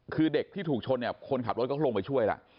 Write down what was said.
คือเด็กที่ถูกชนเนี่ยคนขับรถก็ลงไปช่วยล่ะ